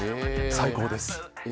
最高です。